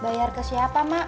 bayar ke siapa mak